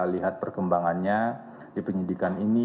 lihat perkembangannya di penyidikan ini